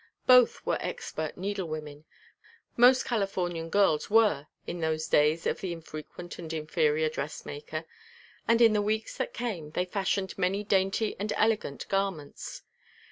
Both were expert needlewomen, most Californian girls were in those days of the infrequent and inferior dressmaker, and in the weeks that came they fashioned many dainty and elegant garments.